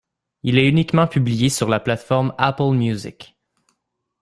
Il est uniquement publié sur la plateforme Apple Music.